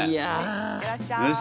行ってらっしゃい。